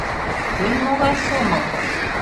Кӧн могай сомыл?